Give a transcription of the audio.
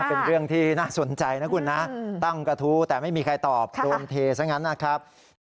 เป็นเรื่องที่น่าสนใจนะคุณนะตั้งกระทู้แต่ไม่มีใครตอบโดนเทซะงั้นนะครับ